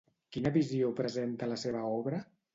Quina visió presenta la seva obra?